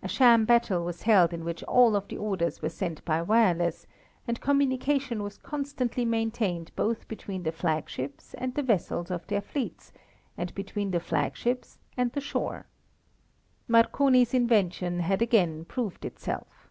A sham battle was held in which all of the orders were sent by wireless, and communication was constantly maintained both between the flag ships and the vessels of their fleets and between the flag ships and the shore. Marconi's invention had again proved itself.